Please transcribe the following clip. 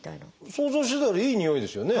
想像してたよりいいにおいですよね。